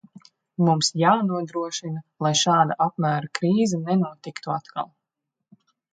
Mums jānodrošina, lai šāda apmēra krīze nenotiktu atkal.